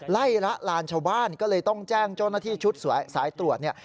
ละลานชาวบ้านก็เลยต้องแจ้งเจ้าหน้าที่ชุดสายตรวจเนี่ย